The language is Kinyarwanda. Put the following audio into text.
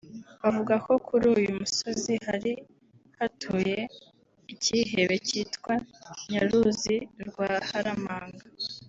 bavuga ko kuri uyu musozi hari hatuye icyihebe cyitwaga Nyaruzi rwa Haramanga